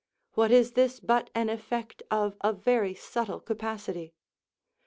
What is this but an effect of a very subtle capacity!